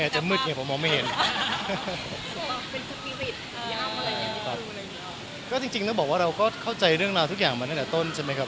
จริงเราเข้าใจเรื่องลาทุกอย่างมาตั้งแต่ต้น